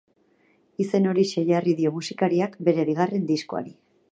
Izen horixe jarri dio musikariak bere bigarren diskoari.